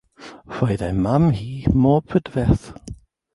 Roedd ei mam hi mor brydferth.